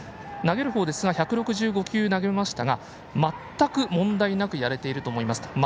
投げるほうですが１６５球投げましたが全く問題なくやれていると思いますと。